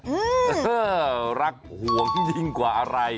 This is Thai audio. เออรักห่วงยิ่งกว่าอะไร